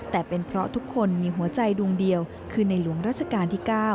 แต่เป็นเพราะทุกคนมีหัวใจดวงเดียวคือในหลวงราชการที่๙